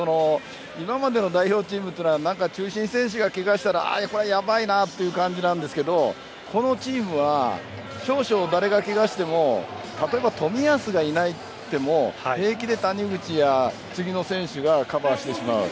今までの代表チームは中心選手がケガしたらやばいなという感じなんですがこのチームは少々、誰がケガをしても例えば冨安がいなくても平気で谷口や次の選手がカバーしてしまう。